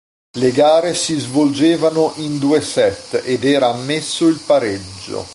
Le gare si svolgevano in due "set" ed era ammesso il pareggio.